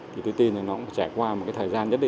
thì tôi tin là nó sẽ trải qua một thời gian nhất định